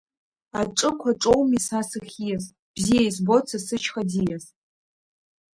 Аҿықә аҿоуми са сахьиз, Бзиа избоит са сышьха ӡиас…